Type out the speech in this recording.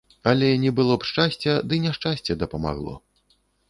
Але не было б шчасця, ды няшчасце дапамагло.